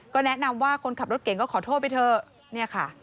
ก็แนะนำว่าคนขับรถเก๋งก็ขอโทษไปเถอะ